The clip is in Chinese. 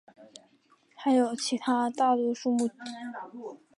还有其他大多数曲目。